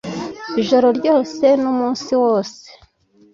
ijoro ryose n'umunsi wose--